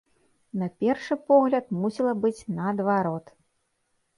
На першы погляд, мусіла быць наадварот.